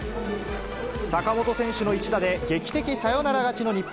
坂本選手の一打で劇的サヨナラ勝ちの日本。